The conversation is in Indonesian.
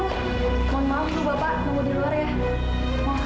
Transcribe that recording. mohon maaf tuh bapak tunggu di luar ya